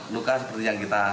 luka seperti yang kita